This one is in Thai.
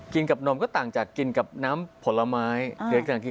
กินกับนมก็ต่างจากกินกับน้ำผลไม้